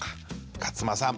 勝間さん。